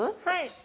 はい！